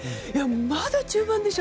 まだ中盤でしょ。